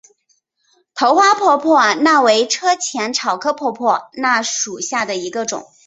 头花婆婆纳为车前草科婆婆纳属下的一个种。